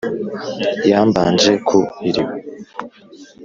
Ya Mbanje ku iriba